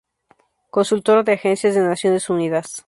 Consultora de agencias de Naciones Unidas.